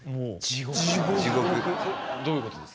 どういうことですか？